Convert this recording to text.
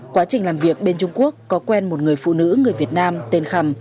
quá trình làm việc bên trung quốc có quen một người phụ nữ người việt nam tên khầm